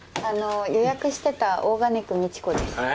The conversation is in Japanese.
あの予約してた大兼久道子です。